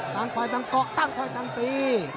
ต่างคอยสั่งเกาะต่างคอยสั่งตี